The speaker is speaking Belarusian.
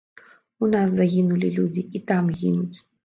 У нас загінулі людзі, і там гінуць.